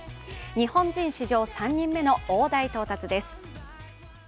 日本人史上３人目の大台到達です。